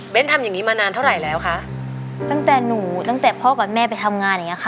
ทำอย่างงี้มานานเท่าไหร่แล้วคะตั้งแต่หนูตั้งแต่พ่อกับแม่ไปทำงานอย่างเงี้ค่ะ